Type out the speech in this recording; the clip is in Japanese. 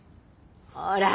ほら！